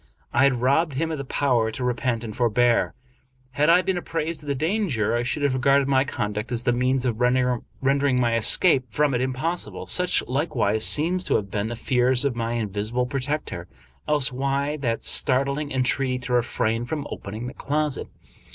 I had robbed him of the power to repent and forbear. Had I been apprised of the danger, I should have regarded my conduct as the means of render ing my escape from it impossible. Such, likewise, seem to have been the fears of my invisible protector. Else why that startling entreaty to refrain from opening the closet?